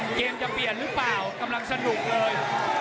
เกมจะเปลี่ยนหรือเปล่ากำลังสนุกเลย